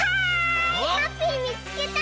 ハッピーみつけた！